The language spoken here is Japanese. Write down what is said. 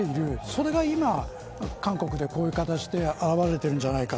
それが今、韓国でこういう形で現われているんじゃないか。